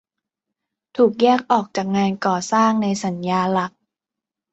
ถูกแยกออกจากงานก่อสร้างในสัญญาหลัก